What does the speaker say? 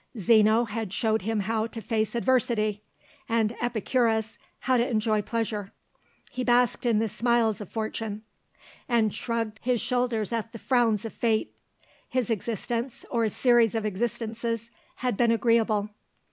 Zeno had shown him how to face adversity, and Epicurus how to enjoy pleasure. He basked in the smiles of fortune, and shrugged his shoulders at the frowns of fate. His existence, or series of existences, had been agreeable.